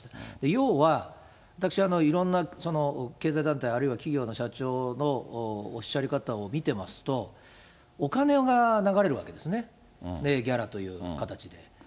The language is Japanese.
要は、私はいろんな経済団体、あるいは企業の社長のおっしゃり方を見てますと、お金が流れるわけですね、ギャラという形で。